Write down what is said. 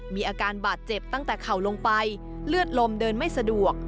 มีอาการบาดเจ็บตั้งแต่เข่าลงไปเลือดลมเดินไม่สะดวก